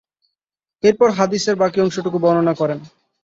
এরপর হাদীসের বাকি অংশটুকু বর্ণনা করেন।